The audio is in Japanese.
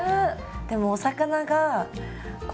でもお魚がこう